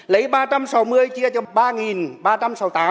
lấy ba trăm sáu mươi chia cho ba ba trăm sáu mươi tám